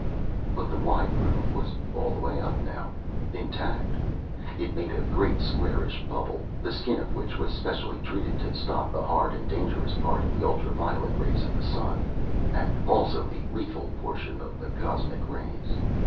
But the wide roof was all the way up, now intact. It made a great, squarish bubble, the skin of which was specially treated to stop the hard and dangerous part of the ultra violet rays of the sun, and also the lethal portion of the cosmic rays.